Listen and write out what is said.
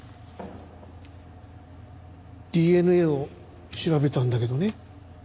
ＤＮＡを調べたんだけどね